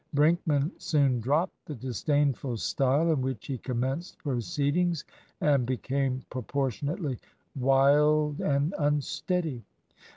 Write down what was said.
Brinkman soon dropped the disdainful style in which he commenced proceedings, and became proportionately wild and unsteady.